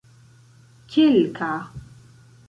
kelka